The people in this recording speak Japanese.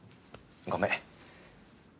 ごめん。